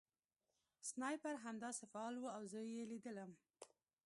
سنایپر همداسې فعال و او زه یې لیدلم